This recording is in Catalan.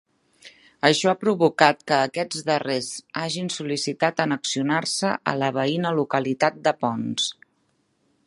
Això ha provocat que aquests darrers hagin sol·licitat annexionar-se a la veïna localitat de Ponts.